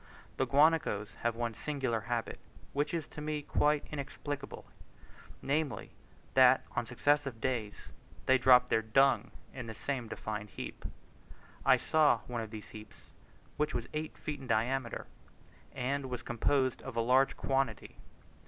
The guanacos have one singular habit, which is to me quite inexplicable; namely, that on successive days they drop their dung in the same defined heap. I saw one of these heaps which was eight feet in diameter, and was composed of a large quantity.